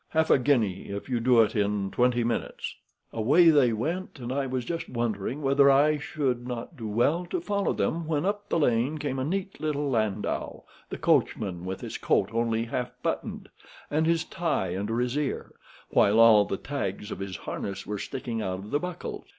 Half a guinea if you do it in twenty minutes!' "Away they went, and I was just wondering whether I should not do well to follow them, when up the lane came a neat little landau, the coachman with his coat only half buttoned, and his tie under his ear, while all the tags of his harness were sticking out of the buckles.